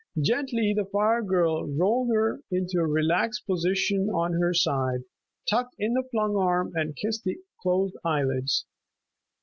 Gently the fire girl rolled her into a relaxed position on her side, tucked in the flung arm, and kissed the closed eyelids.